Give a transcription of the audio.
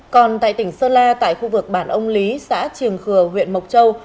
còn tại tỉnh sơn la tại khu vực bản ông lý xã trường khừa huyện mộc châu